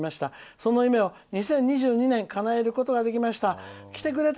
その夢を２０２２年かなえることができました。